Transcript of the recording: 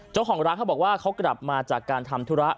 เจ้าของร้านเขาบอกว่าเขากลับมาจากการทำธุระ